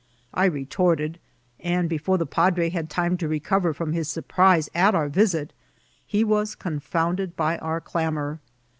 I retorted ; and before the padre had time to recover from his surprise at our vis it, he was confounded by our clamour.